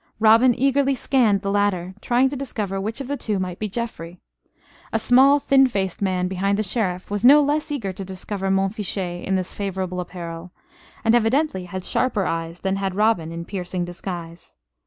Robin eagerly scanned the latter, trying to discover which of the two might be Geoffrey. A small, thin faced man behind the Sheriff was no less eager to discover Montfichet in this favorable apparel; and evidently had sharper eyes than had Robin in piercing disguise.